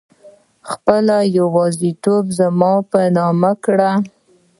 خپل يوازيتوب زما په نوم کړه